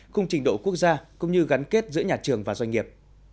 cùng trình độ quốc gia cũng như gắn kết giữa nhà trường và doanh nghiệp